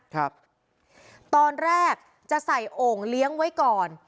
ครับตอนแรกจะใส่โอ่งเลี้ยงไว้ก่อน